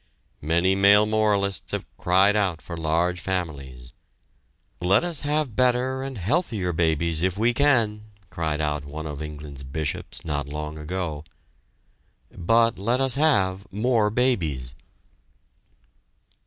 Many male moralists have cried out for large families. "Let us have better and healthier babies if we can," cried out one of England's bishops, not long ago, "but let us have more babies!"